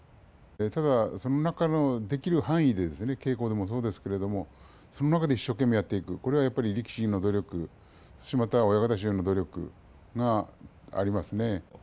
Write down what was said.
ただ、その中のできる範囲で稽古でもそうですけれどもその中で一所懸命やっていくこれはやっぱり力士の努力そしてまた親方衆の努力がありますね。